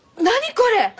これ！